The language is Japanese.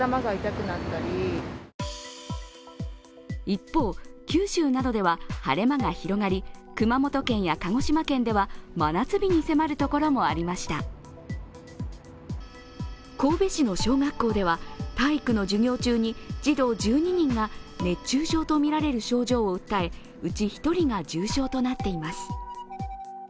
一方、九州などでは晴れ間が広がり、熊本県や鹿児島県では真夏日に迫るところもありました神戸市の小学校では体育の授業中に児童１２人が熱中症とみられる症状を訴えうち１人が重症となっています。